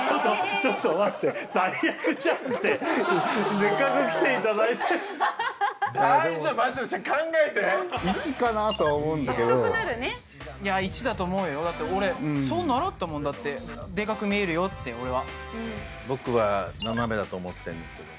ちょっと待って「最悪じゃん」ってせっかく来ていただいて大丈夫松島さん考えて１かなとは思うんだけどいや１だと思うよだって俺そう習ったもんだってデカく見えるよって俺は僕は斜めだと思ってるんですけど